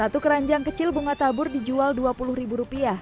satu keranjang kecil bunga tabur dijual rp dua puluh